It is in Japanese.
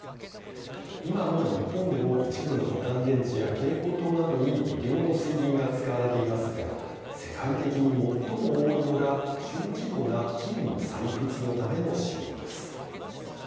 今も日本でも一部のボタン電池や蛍光灯などに微量の水銀が使われていますが世界的に最も多いのが小規模な金の採掘のための使用です。